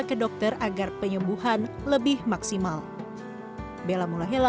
ke dokter agar penyembuhan lebih maksimal